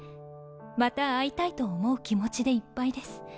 また会いたいと思う気持ちでいっぱいです。